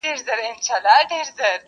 كه موږك هر څه غښتلى گړندى سي؛